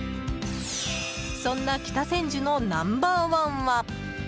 そんな北千住のナンバー１は。